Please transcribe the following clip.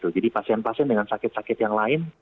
jadi pasien pasien dengan sakit sakit yang lain